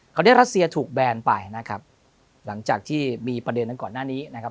เขาได้รัสเซียถูกแบนไปนะครับหลังจากที่มีประเด็นนั้นก่อนหน้านี้นะครับ